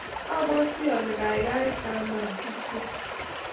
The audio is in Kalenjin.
abwatii ale kaikai koma kitiem.